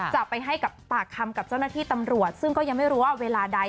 จะไปให้ปากคำกับเจ้าหน้าที่ตำรวจซึ่งก็ยังไม่รู้ว่าเวลาใด